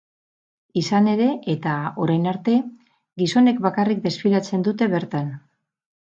Izan ere, eta, orain arte, gizonek bakarrik desfilatzen dute bertan.